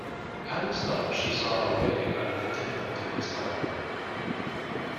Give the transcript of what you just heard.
Alice thought she saw a way out of the difficulty this time.